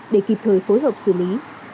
để kịp thời phối hợp xử lý